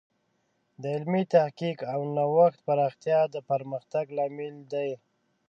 د علمي تحقیق او نوښت پراختیا د پرمختګ لامل دی.